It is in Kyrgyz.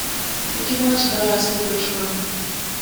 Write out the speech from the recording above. Эки бала чыдабай асынып өлүшкөн.